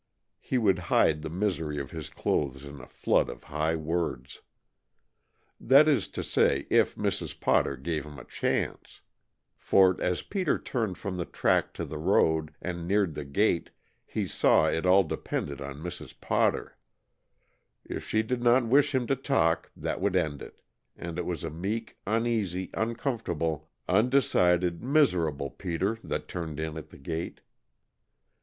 He would hide the misery of his clothes in a flood of high words. That is to say, if Mrs. Potter gave him a chance! For, as Peter turned from the track to the road, and neared the gate, he saw it all depended on Mrs. Potter. If she did not wish him to talk, that would end it, and it was a meek, uneasy, uncomfortable, undecided, miserable Peter that turned in at the gate.